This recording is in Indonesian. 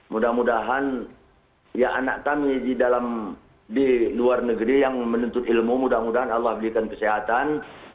mudah mudahan ya anak kami di dalam negeri yang menuntut ilmu mudah mudahan allah berikan kesehatan